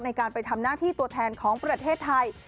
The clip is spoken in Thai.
ในการไปทำหน้าที่ตัวแทนของประเทศไทย